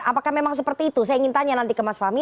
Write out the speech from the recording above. apakah memang seperti itu saya ingin tanya nanti ke mas fahmi